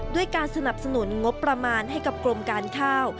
ด้วยการสนับสนุนงบประมาณให้กับกรมการข้าว